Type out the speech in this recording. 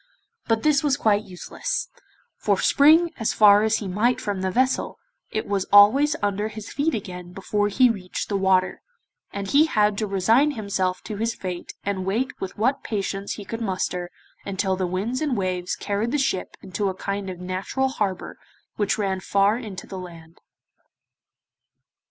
But this was quite useless, for spring as far as he might from the vessel, it was always under his feet again before he reached the water, and he had to resign himself to his fate, and wait with what patience he could muster until the winds and waves carried the ship into a kind of natural harbour which ran far into the land.